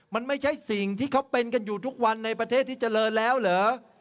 มันไม่ใช่สิ่งที่เขาเป็นกันอยู่ทุกวันในประเทศที่เจริญแล้วเหรอ